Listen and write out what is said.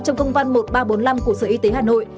trong công văn một nghìn ba trăm bốn mươi năm của sở y tế hà nội